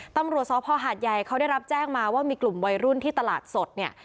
ตำรวจสพหาดใหญ่เขาได้รับแจ้งมาว่ามีกลุ่มวัยรุ่นที่ตลาดสดเนี่ย